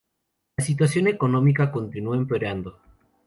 La situación económica continuó empeorando.